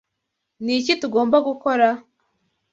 Ni iki tugomba gukora?